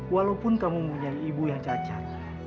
walaupun kamu mempunyai ibu yang cacat